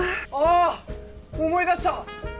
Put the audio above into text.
あーっ思い出した！